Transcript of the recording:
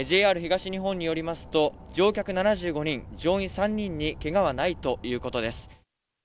ＪＲ東日本によりますと、乗客７５人、乗員３人にけがはないということです。